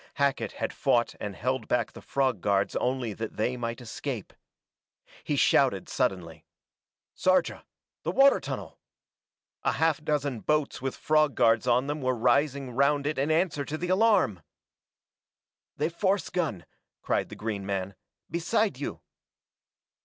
Hackett had fought and held back the frog guards only that they might escape. He shouted suddenly. "Sarja the water tunnel!" A half dozen boats with frog guards on them were rising round it in answer to the alarm! "The force gun!" cried the green man. "Beside you